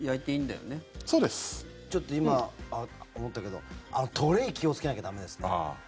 ちょっと今思ったけどトレー気をつけなきゃ駄目ですね。